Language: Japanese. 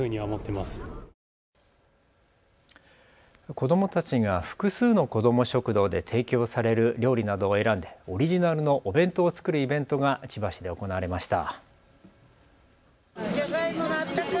子どもたちが複数の子ども食堂で提供される料理などを選んでオリジナルのお弁当を作るイベントが千葉市で行われました。